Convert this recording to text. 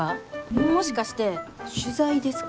もしかして取材ですか？